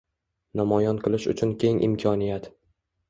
namoyon qilish uchun keng imkoniyat